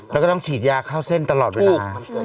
แล้วก็ต้องฉีดยาเข้าเส้นตลอดเวลา